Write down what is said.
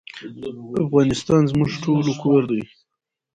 افغانستان زموږ ټولو کور دی